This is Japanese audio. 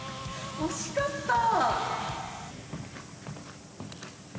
惜しかった。